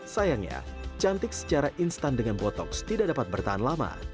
sayangnya cantik secara instan dengan botoks tidak dapat bertahan lama